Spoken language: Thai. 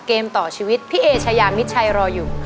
เกมต่อชีวิตพี่เอชายามิดชัยรออยู่